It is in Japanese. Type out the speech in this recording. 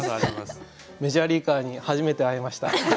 メジャーリーガーに初めて会えました。